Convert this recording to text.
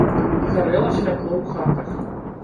Гарэла святло ў хатах.